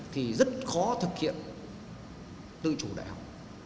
thì rất khó thực hiện tư chủ đại học